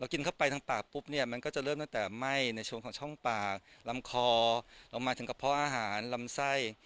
กินเข้าไปทางปากปุ๊บเนี่ยมันก็จะเริ่มตั้งแต่ไหม้ในช่วงของช่องปากลำคอลงมาถึงกระเพาะอาหารลำไส้